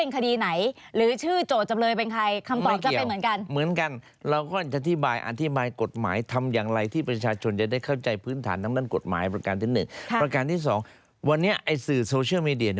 คืออันนี้คือต่อให้เป็นคดีไหน